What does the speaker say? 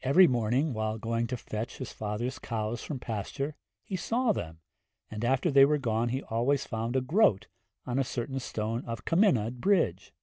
Every morning, while going to fetch his father's cows from pasture, he saw them, and after they were gone he always found a groat on a certain stone of Cymmunod Bridge.